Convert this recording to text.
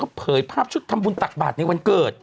เผยภาพชุดทำบุญตักบาทในวันเกิด